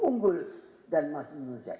unggul dan manusia